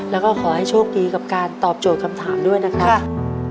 แล้วก็ขอให้โชคดีกับการตอบโจทย์คำถามด้วยนะครับ